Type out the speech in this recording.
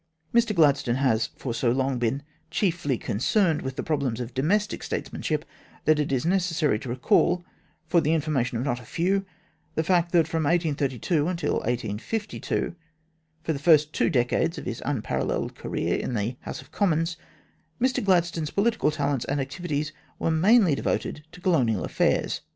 Mr Gladstone has for so long been chiefly con cerned with problems of domestic statesmanship that it is necessary to recall, for the informatio'n of not a few, the fact that from 1832 until 1852 for the first two decades of his( unparalleled career in the House of Commons Mr Glad 1 stone's political talents and activities were mainly devoted to Colonial affairs.